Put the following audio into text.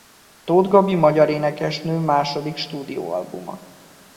Tóth Gabi magyar énekesnő második stúdióalbuma.